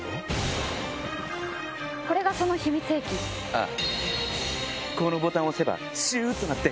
ああ。